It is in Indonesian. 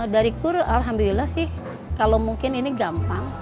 dari kur alhamdulillah sih kalau mungkin ini gampang